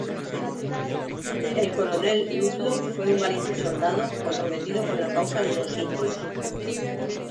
El coronel Ludlow fue un valiente soldado comprometido con la causa de los indios.